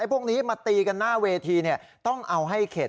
พวกนี้มาตีกันหน้าเวทีต้องเอาให้เข็ด